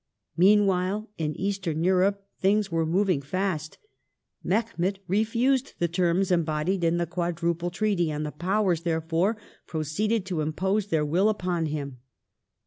Meanwhile, in Eastern Europe things were moving fast. Mehemet refused the terms embodied in the Quadruple Treaty, and the Powers, therefore, proceeded to impose their will upon him.